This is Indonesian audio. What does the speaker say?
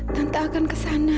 tante akan ke sana